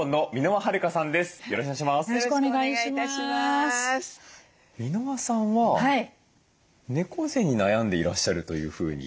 箕輪さんは猫背に悩んでいらっしゃるというふうに。